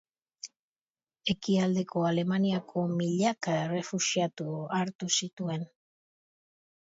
Ekialdeko Alemaniako milaka errefuxiatu hartu zituen.